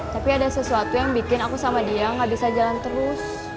tapi ada sesuatu yang bikin aku sama dia gak bisa jalan terus